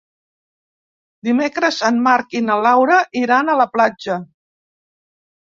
Dimecres en Marc i na Laura iran a la platja.